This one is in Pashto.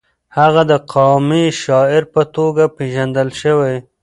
هغه د قامي شاعر په توګه پېژندل شوی.